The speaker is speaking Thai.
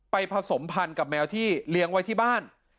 ผสมพันธ์กับแมวที่เลี้ยงไว้ที่บ้าน